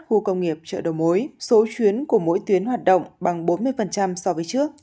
khu công nghiệp chợ đầu mối số chuyến của mỗi tuyến hoạt động bằng bốn mươi so với trước